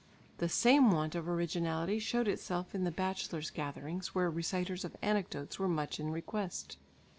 The same want of originality showed itself in the bachelor's gatherings where reciters of anecdotes were much in request.